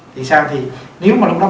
thì sao thì nếu mà lúc đó